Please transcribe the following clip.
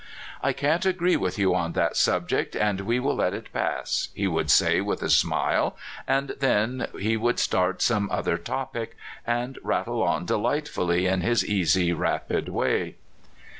'' I can't agree with you on that subject, and we will let it pass," he would say with a smile, and then he would start some other topic, and rattle on delightfully in his easy, rapid way.